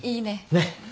ねっ。